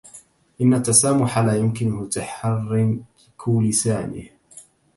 ان التمساح لا يمكنه تحريك لسانه.